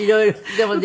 でもね